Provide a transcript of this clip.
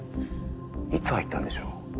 いつ入ったんでしょう？